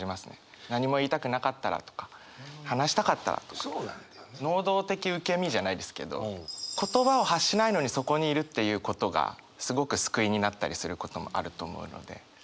「何も言いたくなかったら」とか「話したかったら」とか能動的受け身じゃないですけど言葉を発しないのにそこにいるっていうことがすごく救いになったりすることもあると思うので。